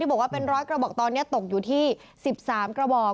บอกว่าเป็น๑๐๐กระบอกตอนนี้ตกอยู่ที่๑๓กระบอก